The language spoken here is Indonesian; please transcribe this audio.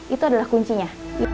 itu adalah kuncinya